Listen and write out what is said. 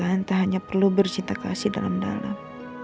dalam pernikahan tak hanya perlu bersinta kasih dalam dalam